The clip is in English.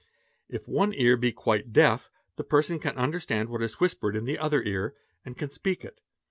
If one ear be quite deaf, the person can understand what is whispered in the other ear and can speak it.